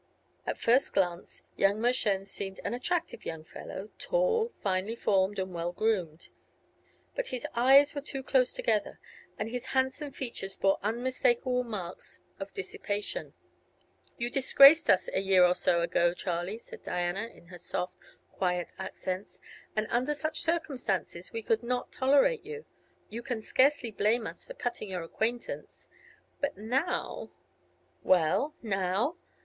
At first glance young Mershone seemed an attractive young fellow, tall, finely formed and well groomed. But his eyes were too close together and his handsome features bore unmistakable marks of dissipation. "You disgraced us a year or so ago, Charlie," said Diana, in her soft, quiet accents, "and under such circumstances we could not tolerate you. You can scarcely blame us for cutting your acquaintance. But now " "Well, now?"